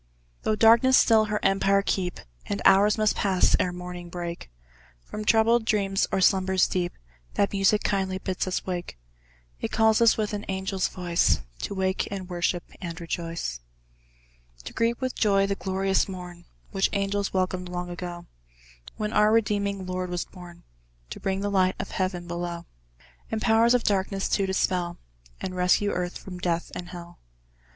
Though Darkness still her empire keep, And hours must pass, ere morning break; From troubled dreams, or slumbers deep, That music KINDLY bids us wake: It calls us, with an angel's voice, To wake, and worship, and rejoice; To greet with joy the glorious morn, Which angels welcomed long ago, When our redeeming Lord was born, To bring the light of Heaven below; The Powers of Darkness to dispel, And rescue Earth from Death and Hell.